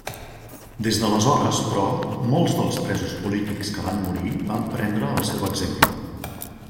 Des d'aleshores, però, molts dels presos polítics que van morir van prendre el seu exemple.